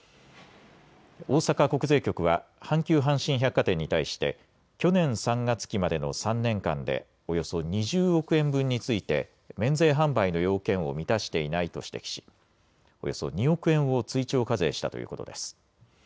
大阪国税局は阪急阪神百貨店に対して去年３月期までの３年間でおよそ２０億円分について免税販売の要件を満たしていないと指摘しおよそ２億円を追徴課税したということです。